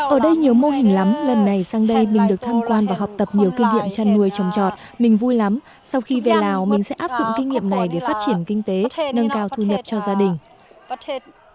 ở đây nhiều mô hình lắm lần này sang đây mình được tham quan và học tập nhiều kinh nghiệm chăn nuôi trồng trọt mình vui lắm sau khi về lào mình sẽ áp dụng kinh nghiệm này để phát triển kinh tế nâng cao thu nhập cho gia đình